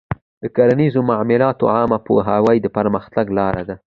د کرنیزو معلوماتو عامه پوهاوی د پرمختګ لاره ده.